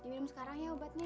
makasih pak dr